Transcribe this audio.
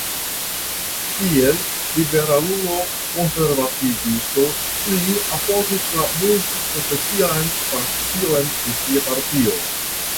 Kiel liberalulo-konservativisto li apogis la multi-konfesian frakcion en sia partio.